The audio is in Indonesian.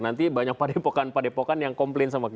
nanti banyak pak depokan pak depokan yang komplain sama kita